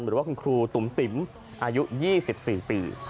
หรือว่าคุณครูตุ๋มติ๋มอายุ๒๔ปี